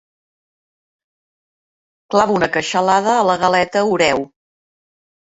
Clavo una queixalada a la galeta oreo.